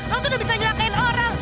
lo tuh udah bisa nyelakain orang